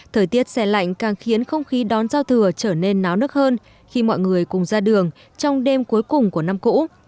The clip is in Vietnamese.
thời tiết xe lạnh càng khiến không khí đón giao thừa trở nên náo nước hơn khi mọi người cùng ra đường trong đêm cuối cùng của năm cũ